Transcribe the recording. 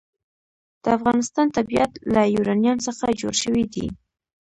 د افغانستان طبیعت له یورانیم څخه جوړ شوی دی.